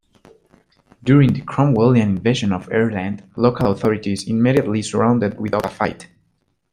During the Cromwellian invasion of Ireland, local authorities immediately surrendered without a fight.